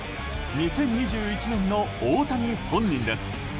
２０２１年の大谷本人です。